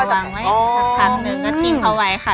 ใช่ก็วางไว้สักครั้งนึงก็ทิ้งเขาไว้ค่ะ